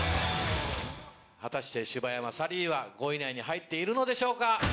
果たして柴山サリーは５位以内に入っているのでしょうか？